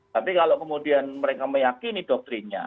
tapi kalau kemudian mereka meyakini doktrinnya